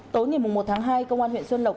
tối ngày một tháng hai công an huyện xuân lộc